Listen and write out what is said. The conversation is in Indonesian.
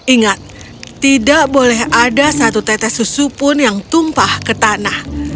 ingat tidak boleh ada satu tetes susu pun yang tumpah ke tanah